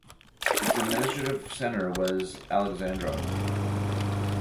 Its administrative centre was Alexandrov.